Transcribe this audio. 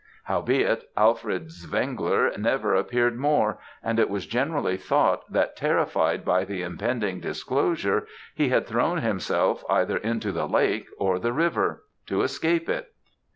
"Howbeit, Alfred Zwengler never appeared more; and it was generally thought that terrified by the impending disclosure he had thrown himself either into the lake or the river, to escape it.